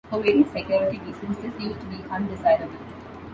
For various security reasons this used to be undesirable.